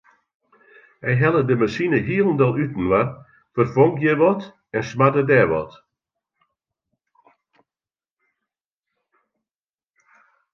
Hy helle de masine hielendal útinoar, ferfong hjir wat en smarde dêr wat.